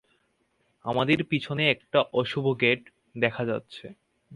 আমাদের পিছনে একটা অশুভ গেট দেখা যাচ্ছে।